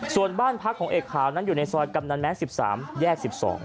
ส่วนบ้านพักของเอกขาวนั้นอยู่ในซอยกำนันแม้๑๓แยก๑๒